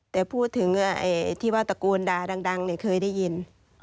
แต่พูดถึงที่ว่าตระกูลดาดังเนี่ยเคยได้ยิน